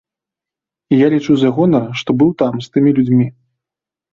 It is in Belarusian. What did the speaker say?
І я лічу за гонар, што быў там з тымі людзьмі.